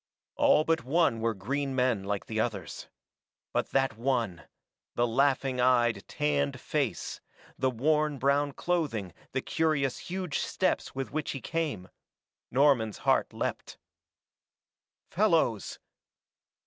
All but one were green men like the others. But that one the laughing eyed tanned face the worn brown clothing, the curious huge steps with which he came Norman's heart leapt. "Fellows!"